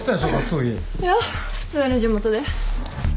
いや普通に地元で。